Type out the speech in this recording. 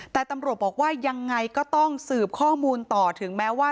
แต่ตำรวจบอกว่ายังไงก็ต้องสืบข้อมูลต่อถึงแม้ว่า